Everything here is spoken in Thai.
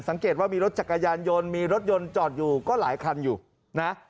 สังเกตว่ามีรถจักรยานยนต์มีรถยนต์จอดอยู่ก็หลายคันอยู่นะ